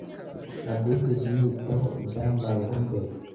Ntabwo wigeze unyitaho ibyambayeho mbere.